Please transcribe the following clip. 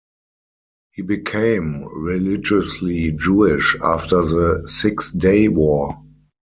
He became religiously Jewish after the Six Day War.